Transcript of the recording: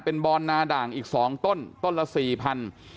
เป็นบอนนาด่างอีก๒ต้นต้นละสี่พัน